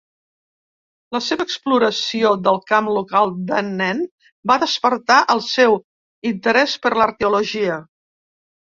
La seva exploració del camp local de nen va despertar el seu interès per l'arqueologia.